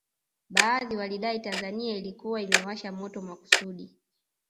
Baadhi walidai Tanzania ilikuwa imewasha moto makusudi